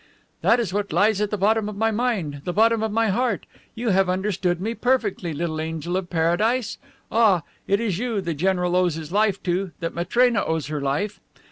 That is what lies at the bottom of my mind, the bottom of my heart you have understood me perfectly, little angel of paradise? Ah, it is you the general owes his life to, that Matrena owes her life.